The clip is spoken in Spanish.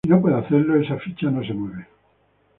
Si no puede hacerlo, esa ficha no se mueve.